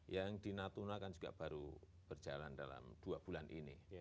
yang di natuna kan juga baru berjalan dalam dua bulan ini